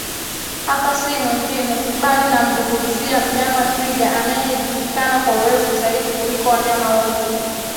Hapa si mwingine bali namzungumzia mnyama Twiga anaejulikana kwa urefu Zaidi kuliko wanyama wote